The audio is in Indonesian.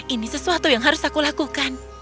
ini sesuatu yang harus aku lakukan